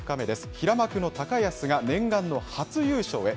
平幕の高安が念願の初優勝へ。